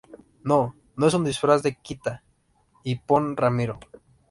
no, no es un disfraz de quita y pon, Ramiro.